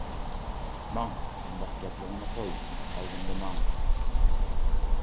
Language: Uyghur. -ماڭ ئۇنداق گەپلىرىڭنى قوي، ئالدىمدا ماڭ.